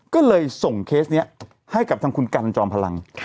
ก็เลยส่งเคสนี้ให้กับทางคุณกันจอมพลัง